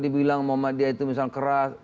dibilang muhammadiyah itu misalnya keras